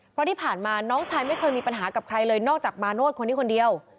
เพราะที่ผ่านมาน้องชายไม่เคยมีปัญหากับใครเลยนอกจากมาโนธคนนี้คนเดียว